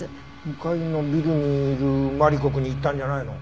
向かいのビルにいるマリコくんに言ったんじゃないの？